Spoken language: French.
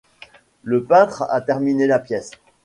le peintre a terminé la pièce